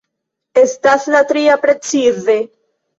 Estas la tria precize.